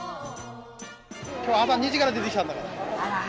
きょう朝２時から出てきたんだから。